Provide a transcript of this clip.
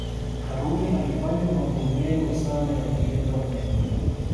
karume alifanya mambo mengo sana ya kuleta maendeleo